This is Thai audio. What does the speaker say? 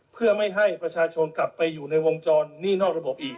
เพื่อไม่ให้ประชาชนกลับไปอยู่ในวงจรหนี้นอกระบบอีก